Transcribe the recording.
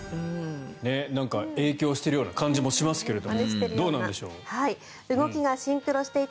影響しているような感じもしますけれどもどうなんでしょう。